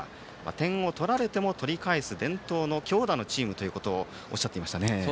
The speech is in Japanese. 点を取られても取り返す伝統の強打のチームだとおっしゃっていました。